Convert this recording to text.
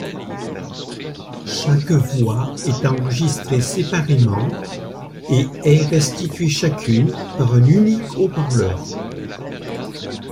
Chaque voix est enregistrée séparément et est restituée chacune par un unique haut-parleur.